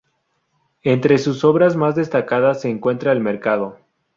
Entre sus obras más destacadas se encuentra "El mercado".